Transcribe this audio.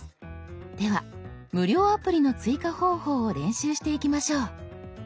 では無料アプリの追加方法を練習していきましょう。